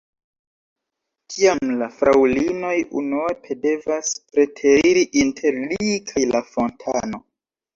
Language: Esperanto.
Tiam la fraŭlinoj unuope devas preteriri inter li kaj la fontano.